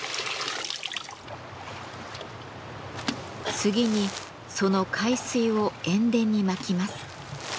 次にその海水を塩田にまきます。